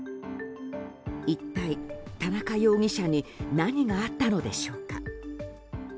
一体、田中容疑者に何があったのでしょうか。